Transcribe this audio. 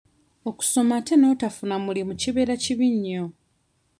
Okusoma ate n'otafuna mulimu kibeera kibi nnyo.